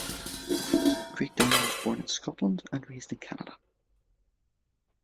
Craig Downie was born in Scotland and raised in Canada.